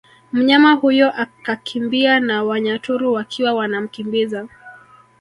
Mnyama huyo akakimbia na Wanyaturu wakiwa wanamkimbiza